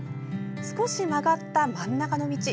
少し曲がった真ん中の道。